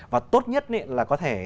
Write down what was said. và tốt nhất là có thể